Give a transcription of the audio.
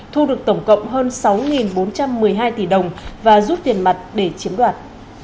thu được tổng cộng hơn sáu bốn trăm một mươi hai tỷ đồng và rút tiền mặt để chiếm đoạt